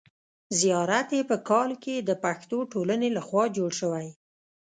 زیارت یې په کال کې د پښتو ټولنې له خوا جوړ شوی.